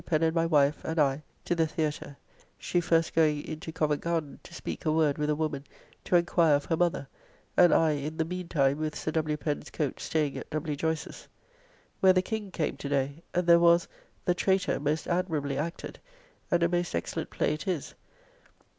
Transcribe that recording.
Pen and my wife and I to the Theatre (she first going into Covent Garden to speak a word with a woman to enquire of her mother, and I in the meantime with Sir W. Pen's coach staying at W. Joyce's), where the King came to day, and there was "The Traytor" most admirably acted; and a most excellent play it is.